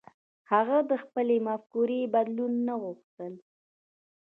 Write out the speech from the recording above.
هغه د خپلې مفکورې بدلول نه غوښتل.